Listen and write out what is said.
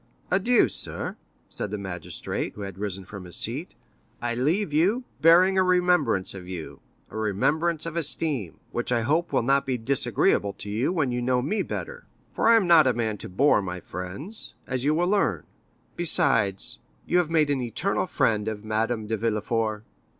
"Adieu, sir," said the magistrate, who had risen from his seat; "I leave you, bearing a remembrance of you—a remembrance of esteem, which I hope will not be disagreeable to you when you know me better; for I am not a man to bore my friends, as you will learn. Besides, you have made an eternal friend of Madame de Villefort."